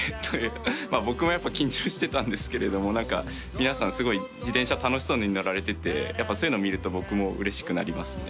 僕もやっぱ緊張してたんですけれども皆さんすごい自転車楽しそうに乗られててやっぱそういうの見ると僕もうれしくなりますね。